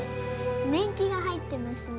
年季が入ってますね。